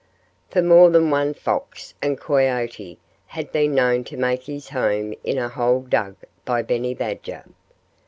For more than one fox and coyote had been known to make his home in a hole dug by Benny Badger.